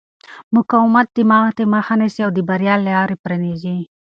مقاومت د ماتې مخه نیسي او د بریا لارې پرانیزي.